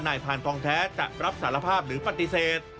ให้การว่านายพันธ์ทองแท้จะรับสารภาพหรือปฏิเสธ